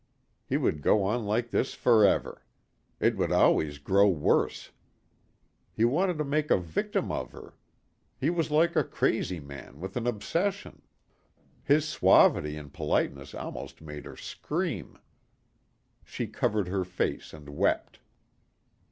He would go on like this forever. It would always grow worse. He wanted to make a victim of her. He was like a crazy man with an obsession. His suavity and politeness almost made her scream. She covered her face and wept.